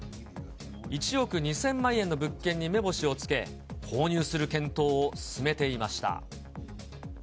１億２０００万円の物件に目星をつけ、購入する検討を進めていました。